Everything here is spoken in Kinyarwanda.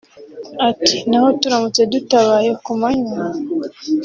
Ati “Naho turamutse dutabaye ku manywa